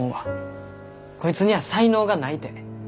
こいつには才能がないて。